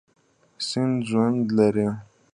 سیند ژوند لري.